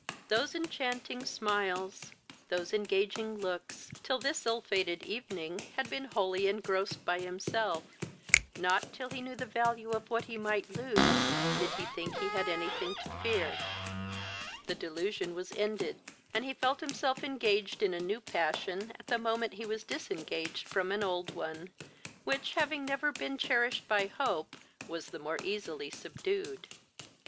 Those enchanting smiles, those engaging looks, till this ill fated evening, had been wholly engrossed by himself, not, till he knew the value of what he might lose, did he think he had anything to fear; the delusion was ended, and he felt himself engaged in a new passion at the moment he was disengaged from an old one, which, having never been cherished by hope, was the more easily subdued.